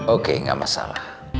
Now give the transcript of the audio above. oke nggak masalah